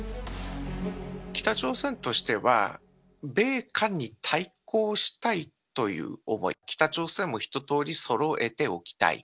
北朝鮮としては、米韓に対抗したいという思い、北朝鮮もひととおりそろえておきたい。